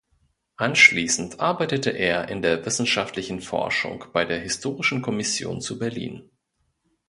Anschließend arbeitete er in der wissenschaftlichen Forschung bei der Historischen Kommission zu Berlin.